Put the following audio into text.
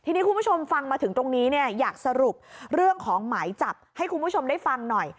ทีนี้คุณผู้ชมฟังมาถึงตรงนี้เนี่ยอยากสรุปเรื่องของหมายจับให้คุณผู้ชมได้ฟังหน่อย